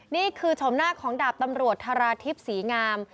นี่คือชมหน้าของดาบตำรวจธราชิพศรีงาม